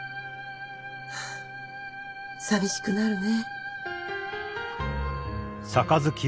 寂しくなるね。